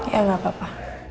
ya gak apa apa